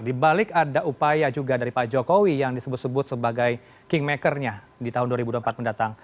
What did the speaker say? di balik ada upaya juga dari pak jokowi yang disebut sebut sebagai kingmakernya di tahun dua ribu dua puluh empat mendatang